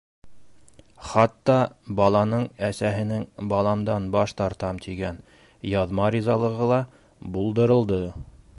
Хатта баланың әсәһенең «баламдан баш тартам» тигән яҙма ризалығы ла булдырылды.